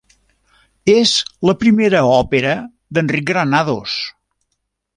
És la primera òpera d'Enric Granados.